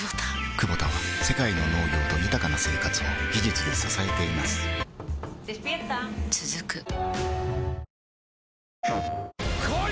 クボタは世界の農業と豊かな生活を技術で支えています起きて。